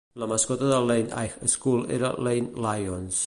La mascota del Lane High School era Lane Lions.